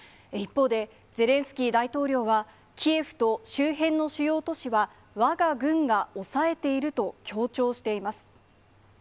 一方で、ゼレンスキー大統領は、キエフと周辺の主要都市は、わが軍が押さえていると強調しています。